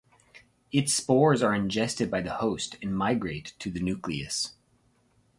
Its spores are ingested by the host and migrate to the nucleus.